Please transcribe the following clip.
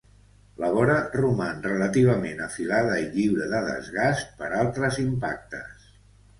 La vora roman relativament afilada i lliure de desgast per altres impactes.